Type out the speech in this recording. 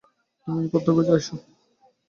তুমি পদব্রজে আইস।